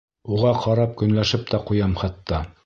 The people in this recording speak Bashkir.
Уға ҡарап көнләшеп тә ҡуям хатта.